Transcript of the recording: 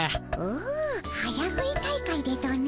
お早食い大会でとな。